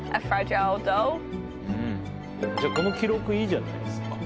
じゃあこの記録いいじゃないですか。